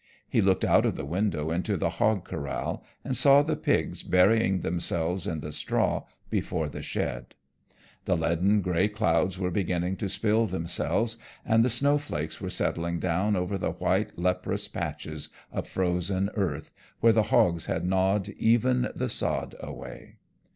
He looked out of the window into the hog corral and saw the pigs burying themselves in the straw before the shed. The leaden gray clouds were beginning to spill themselves, and the snowflakes were settling down over the white leprous patches of frozen earth where the hogs had gnawed even the sod away.